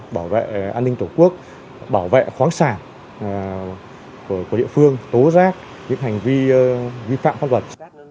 bảo vệ an ninh tổ quốc bảo vệ khoáng sản của địa phương tố giác những hành vi vi phạm pháp luật